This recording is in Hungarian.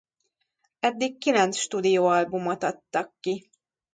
Eddig kilenc stúdióalbumot adtak ki.